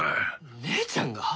姉ちゃんが！？